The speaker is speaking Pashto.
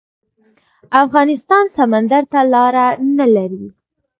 افغانستان سمندر ته لاره نلري